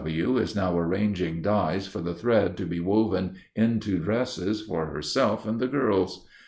W. is now arranging dyes for the thread to be woven into dresses for herself and the girls.